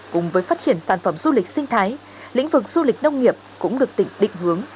cùng với phát triển sản phẩm du lịch sinh thái lĩnh vực du lịch nông nghiệp cũng được tỉnh định hướng